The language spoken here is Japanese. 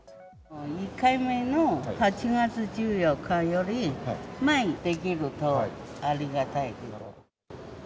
１回目の８月１４日より前にできるとありがたい。